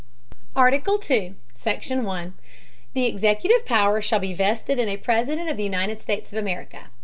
ARTICLE. II. SECTION, 1. The executive Power shall be vested in a President of the United States of America.